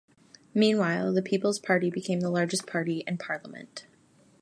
Meanwhile, the People's Party became the largest party in Parliament.